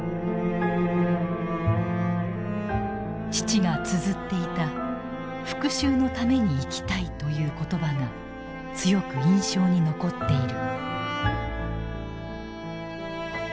父がつづっていた「復讐のために生きたい」という言葉が強く印象に残っている。